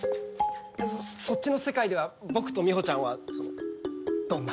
そっちの世界では僕とみほちゃんはそのどんな？